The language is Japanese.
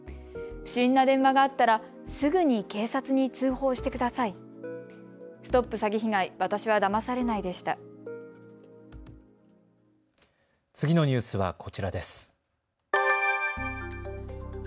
不審な電話があったらすぐに警察に通報してください。